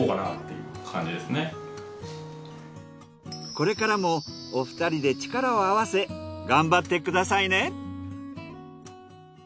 これからもお二人で力を合わせ頑張ってくださいね。